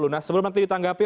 nah sebelum nanti ditanggapi